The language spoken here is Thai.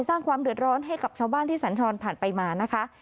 สร้างความเดือดร้อนให้กับชาวบ้านที่สัญจรผ่านไปมานะคะ